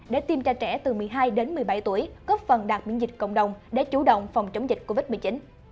để tiêm cho trẻ từ một mươi hai đến một mươi bảy tuổi góp phần đạt miễn dịch cộng đồng để chủ động phòng chống dịch covid một mươi chín